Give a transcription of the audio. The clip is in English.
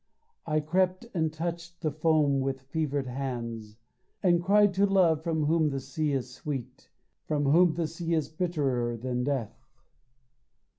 I crept and touched the foam with fevered hands And cried to Love, from whom the sea is sweet, From whom the sea is bitterer than death.